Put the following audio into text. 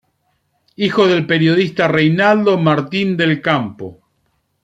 Hijo del periodista Reinaldo Martin del Campo.